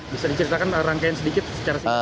bisa diceritakan rangkaian sedikit secara singkat